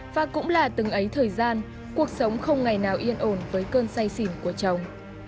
và cũng là từng ấy thời gian cuộc sống không ngày nào yên ổn với cơn say xỉn của chồng